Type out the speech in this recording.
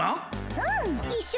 うんいっしょう